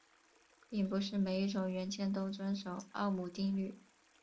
并不是每一种元件都遵守欧姆定律。